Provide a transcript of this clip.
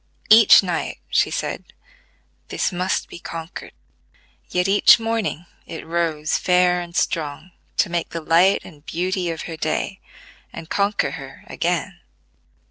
Each night she said, "this must be conquered," yet each morning it rose fair and strong to make the light and beauty of her day, and conquer her again.